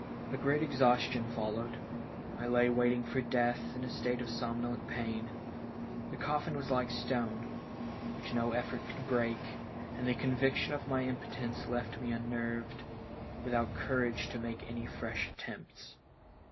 A great exhaustion followed. I lay waiting for death in a state of somnolent pain. The coffin was like stone, which no effort could break, and the conviction of my impotence left me unnerved, without courage to make any fresh attempts.